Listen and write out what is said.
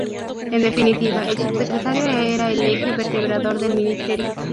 En definitiva, el subsecretario era el eje vertebrador del ministerio.